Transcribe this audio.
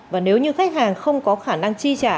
và nếu như khách hàng không có khả năng chi trả